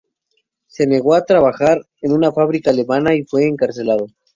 Se negó a trabajar en una fábrica alemana, y fue encarcelado.